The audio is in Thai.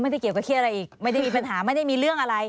เป็นเด็กนะ